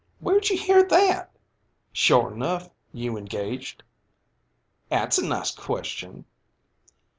"Where'd you hear that?" "Sure enough, you engaged?" "'At's a nice question!"